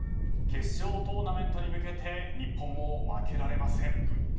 決勝トーナメントに向けて日本も負けられません。